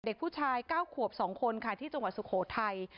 เด็กผู้ชาย๙ขวบ๒คนค่ะที่จังหวัดสุโขทัย